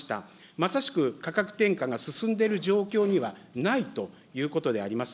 まさしく価格転嫁が進んでいる状況にはないということであります。